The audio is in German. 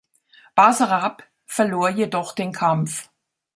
Basarab verlor jedoch den Kampf.